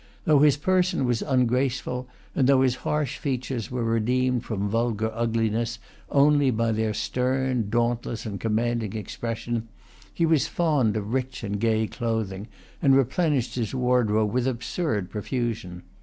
Though his person was ungraceful, and though his harsh features were redeemed from vulgar ugliness only by their stern, dauntless, and commanding expression, he was fond of rich and gay clothing, and replenished his wardrobe with absurd profusion.